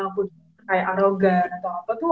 punya kayak arogan atau apa tuh